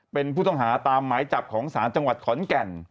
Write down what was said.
เป็นผู้ต้องหาตามหมายจับของศาลจังหวัดขอนแก่น